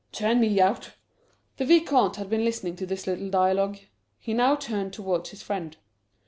"Turn me out!" The Vicomte had been listening to this little dialogue. He now turned towards his friend.